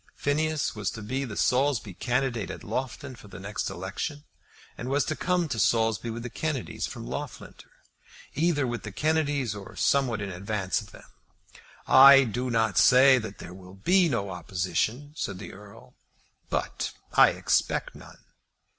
Phineas was to be the Saulsby candidate at Loughton for the next election, and was to come to Saulsby with the Kennedys from Loughlinter, either with the Kennedys or somewhat in advance of them. "I do not say that there will be no opposition," said the Earl, "but I expect none."